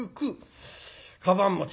かばん持ち。